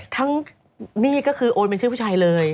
หนี้ก็คือโอนเป็นชื่อผู้ชายเลย